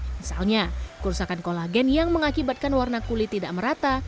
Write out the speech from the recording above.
misalnya kerusakan kolagen yang mengakibatkan warna kulit tidak merata